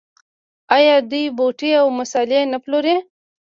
آیا دوی بوټي او مسالې نه پلوري؟